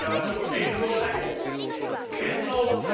現像？